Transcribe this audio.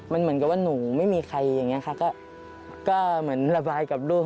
มันเหมือนกับว่าหนูไม่มีใครอย่างนี้ค่ะก็เหมือนระบายกับลูก